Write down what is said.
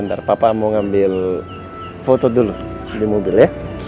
ntar papa mau ngambil foto dulu di mobil ya